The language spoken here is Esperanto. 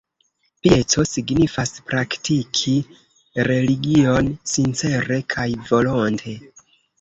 Pieco signifas praktiki religion sincere kaj volonte.